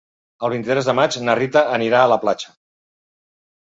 El vint-i-tres de maig na Rita anirà a la platja.